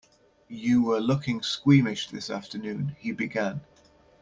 You were looking squeamish this afternoon, he began.